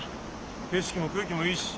景色も空気もいいし。